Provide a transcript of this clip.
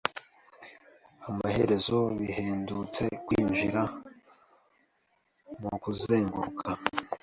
Amaherezo, bihendutse kwinjira mukuzenguruka.